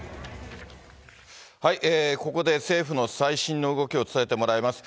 ここで政府の最新の動きを伝えてもらいます。